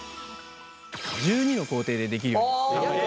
１２の工程でできるようになってます。